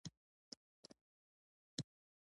سلیمان غر د اقتصادي ودې لپاره ارزښت لري.